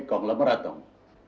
kong lemerat dong